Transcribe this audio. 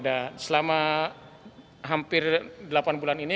dan selama hampir delapan bulan ini